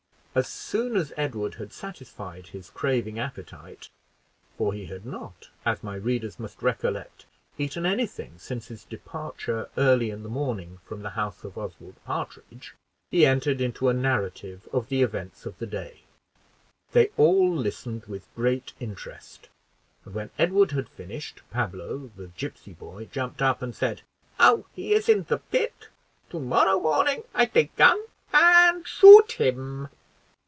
As soon as Edward had satisfied his craving appetite for he had not, as my readers must recollect, eaten any thing since his departure early in the morning from the house of Oswald Partridge he entered into a narrative of the events of the day. They all listened with great interest; and when Edward had finished, Pablo, the gipsy boy, jumped up and said, "Now he is in the pit, to morrow morning I take gun and shoot him."